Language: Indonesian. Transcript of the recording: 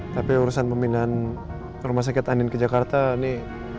tapi urusan pemindahan rumah sakit andin ke jakarta nih